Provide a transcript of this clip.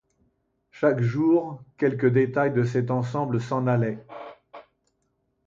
Chaque jour quelque détail de cet ensemble s'en allait.